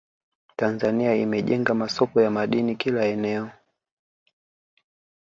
Tanzania imejenga masoko ya madini kila eneo